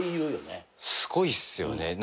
すごいっすよね。